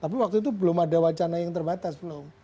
tapi waktu itu belum ada wacana yang terbatas belum